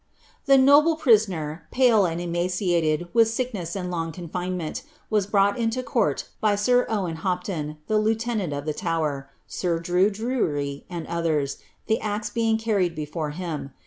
The noble prisoner, pale and emaciated with sickness and long con finement, was brought into court by sir Owen ilopion, the lieutenant uf the Tower, sir Drue Drury, and others, the axe being carried before him.